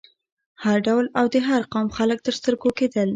هر ډول او د هر قوم خلک تر سترګو کېدل.